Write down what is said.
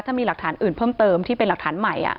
ถ้ามีหลักฐานอื่นเพิ่มเติมที่เป็นหลักฐานใหม่